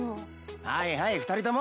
はいはい２人とも。